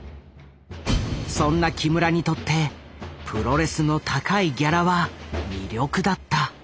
そんな木村にとってプロレスの高いギャラは魅力だった。